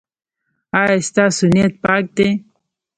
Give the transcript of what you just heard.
ایا ستاسو نیت پاک دی؟